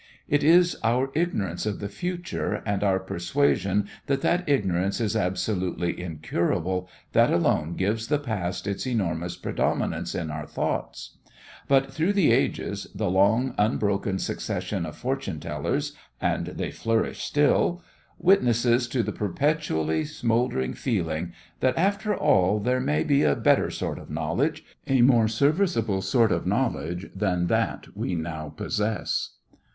It is our ignorance of the future and our persuasion that that ignorance is absolutely incurable that alone gives the past its enormous predominance in our thoughts. But through the ages, the long unbroken succession of fortune tellers and they flourish still witnesses to the perpetually smoldering feeling that after all there may be a better sort of knowledge a more serviceable sort of knowledge than that we now possess.